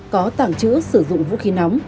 có tàng trữ sử dụng vũ khí nóng